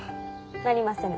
なりませぬ。